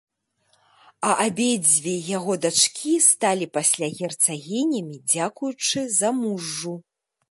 А абедзве яго дачкі сталі пасля герцагінямі дзякуючы замужжу.